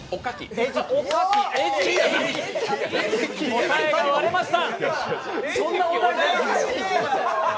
答えが割れました。